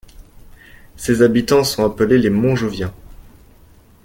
Ses habitants sont appelés les Montjoviens.